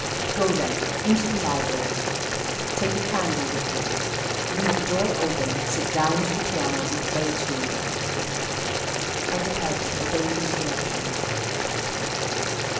—Go, then, into the library; take a candle with you; leave the door open; sit down to the piano, and play a tune." I departed, obeying his directions.